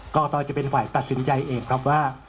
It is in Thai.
กรตจะเป็นฝ่ายตัดสินใจเองครับว่า